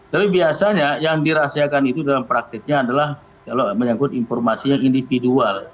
tapi biasanya yang dirahasiakan itu dalam prakteknya adalah kalau menyangkut informasi yang individual